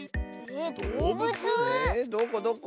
どこどこ？